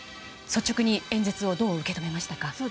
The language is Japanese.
率直に演説をどう受け止めましたか。